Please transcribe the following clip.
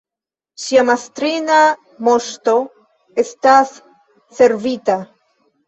Ŝia mastrina Moŝto estas servita!